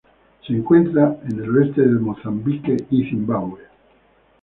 Se encuentran en el oeste de Mozambique y Zimbabue.